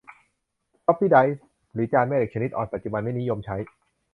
ฟล็อปปี้ไดรฟ์ หรือจานแม่เหล็กชนิดอ่อน ปัจจุบันไม่นิยมใช้